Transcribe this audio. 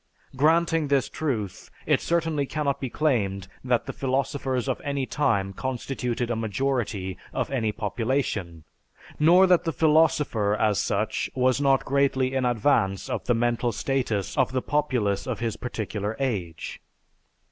Granting this truth, it certainly cannot be claimed that the philosophers of any time constituted a majority of any population, nor that the philosopher, as such, was not greatly in advance of the mental status of the populace of his particular age.